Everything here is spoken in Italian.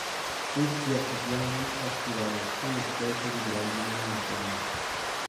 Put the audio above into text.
Questi altopiani ospitano alcune specie di grandi mammiferi.